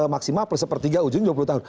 maksimal satu per tiga ujungnya dua puluh tahun